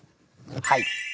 はい。